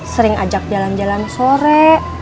sering ajak jalan jalan sore